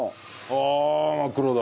ああ真っ黒だ。